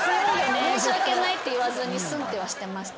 申し訳ないって言わずにスンってしてました。